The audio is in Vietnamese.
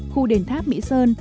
khu đền tháp mỹ sơn